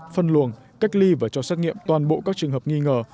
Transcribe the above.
phân luồng cách ly và cho xét nghiệm toàn bộ các trường hợp nghi ngờ